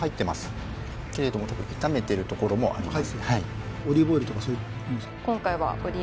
けれどもたぶん炒めてるところもあります